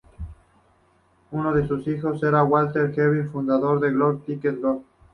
Uno de sus hijos era Walter E. Hering, el fundador de Globe Ticket Co.